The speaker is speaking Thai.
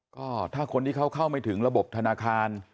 ก็ถ้าคนที่เขาเข้าไม่ถึงระบบธนาคาร